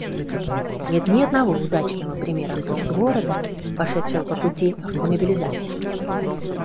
Нет ни одного удачного примера города, пошедшего по пути автомобилизации